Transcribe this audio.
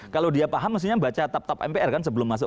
kalau dia paham mestinya baca tap tap mpr kan sebelum masuk